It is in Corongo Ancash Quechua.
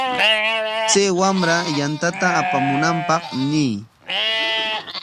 Chay wamra yantata apamunanpaq ñiy.